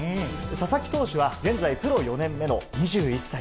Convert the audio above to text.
佐々木投手は現在、プロ４年目の２１歳。